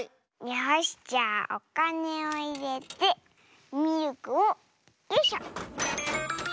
よしじゃあおかねをいれてミルクをよいしょ！